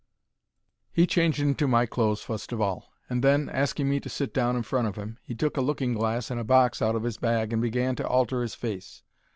He changed into my clothes fust of all, and then, asking me to sit down in front of 'im, he took a looking glass and a box out of 'is bag and began to alter 'is face.